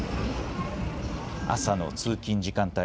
朝の通勤時間帯。